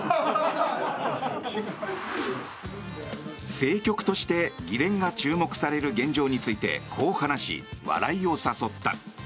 政局として議連が注目される現状についてこう話し、笑いを誘った。